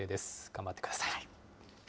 頑張ってください。